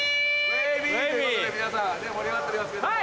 ウエービー！ということで皆さん盛り上がっておりますけれども。